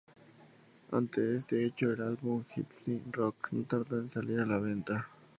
Ante este hecho, el álbum "Gipsy Rock" no tardó en salir a la venta.